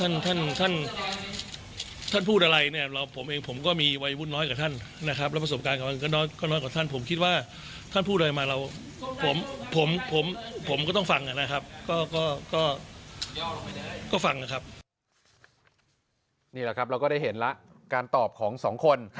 นี่แหละครับเราก็ได้เห็นแล้วการตอบของสองคน